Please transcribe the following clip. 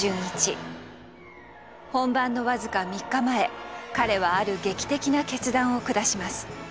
本番の僅か３日前彼はある劇的な決断を下します。